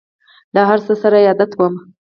له هر څه سره یې عادت وم !